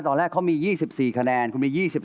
ตอนแรกเขามี๒๔คะแนนคุณมี๒๑